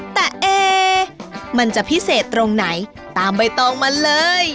แต่เอ๊มันจะพิเศษตรงไหนตามใบตองมาเลย